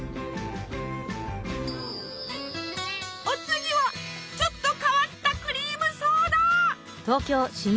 お次はちょっと変わったクリームソーダ！